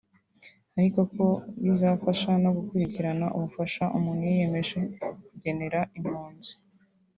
ariko ko bizafasha no gukurikirana ubufasha umuntu yiyemeje kugenera impunzi